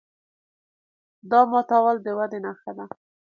دا ماتول د ودې نښه ده.